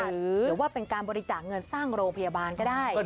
หรือว่าเป็นการบริจาคเงินสร้างโรงพยาบาลก็ได้